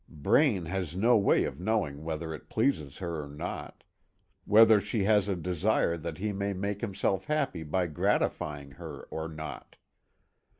Braine has no way of knowing whether it pleases her or not; whether she has a desire that he may make himself happy by gratifying her or not.